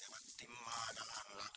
pak timah jangan latihannya